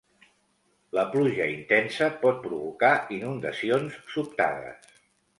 La pluja intensa pot provocar inundacions sobtades.